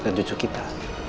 bersama jucu kita